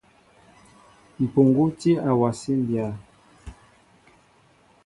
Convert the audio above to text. Mpuŋgu tí a wasí mbya.